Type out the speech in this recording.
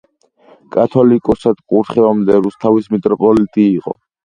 კათოლიკოსად კურთხევამდე რუსთავის მიტროპოლიტი იყო.